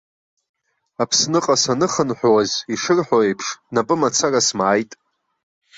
Аԥсныҟа саныхынҳәуаз, ишырҳәо еиԥш, напымацара смааит.